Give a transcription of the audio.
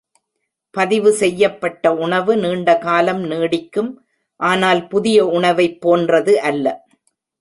பதிவு செய்யப்பட்ட உணவு நீண்ட காலம் நீடிக்கும், ஆனால் புதிய உணவைப் போன்றது அல்ல.